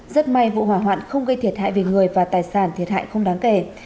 rất may vụ hỏa hoạn không gây thiệt hại về người và tài sản thiệt hại không đáng kể